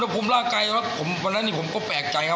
อุณหภูมิร่างกายแล้วผมวันนั้นนี่ผมก็แปลกใจครับ